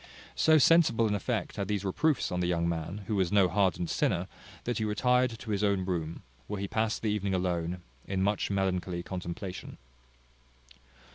So sensible an effect had these reproofs on the young man, who was no hardened sinner, that he retired to his own room, where he passed the evening alone, in much melancholy contemplation.